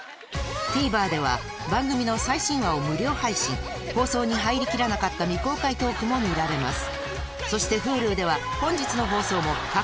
ＴＶｅｒでは番組の最新話を無料配信放送に入りきらなかった未公開トークも見られます